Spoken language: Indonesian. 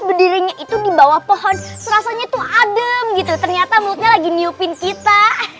berdirinya itu di bawah pohon serasanya tuh adem gitu ternyata mulutnya lagi niupin kita